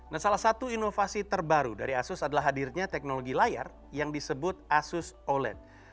nah salah satu inovasi terbaru dari asus adalah hadirnya teknologi layar yang disebut asus oled